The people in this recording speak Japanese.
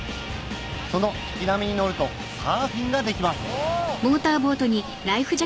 その引き波に乗るとサーフィンができますおぉ！